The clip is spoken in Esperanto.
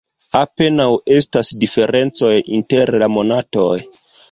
Apenaŭ estas diferencoj inter la monatoj.